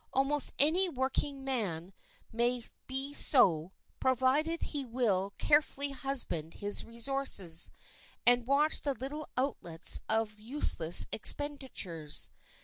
Almost any working man may be so, provided he will carefully husband his resources and watch the little outlets of useless expenditures.